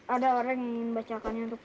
ada orang yang ingin bacakannya untuk